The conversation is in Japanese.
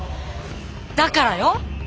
だからよ。